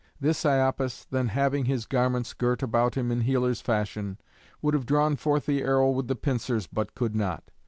This Iapis, then, having his garments girt about him in healer's fashion, would have drawn forth the arrow with the pincers, but could not.